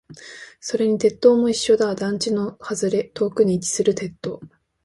それに鉄塔も一緒だ。団地の外れ、遠くに位置する鉄塔。